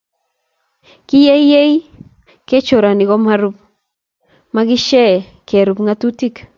Kiyeyei kecheruni komarub makishe kerub ngatutik.